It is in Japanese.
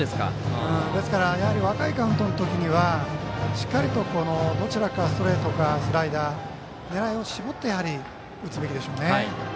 ですから、若いカウントの時にはしっかりと、どちらかストレートかスライダーか狙いを絞って打つべきでしょうね。